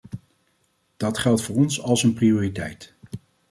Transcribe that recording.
Dat geldt voor ons als een prioriteit.